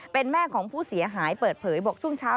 เป็นแม่ของผู้เสียหายเปิดเผยบอกช่วงเช้า